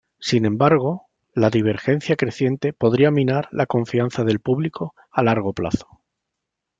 Sin embargo, la divergencia creciente podría minar la confianza del público a largo plazo.